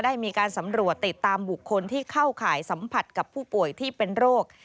ได้มีการสำรวจติดตามบุคคลที่เข้าข่ายสัมผัสกับผู้ป่วยที่เป็นโรค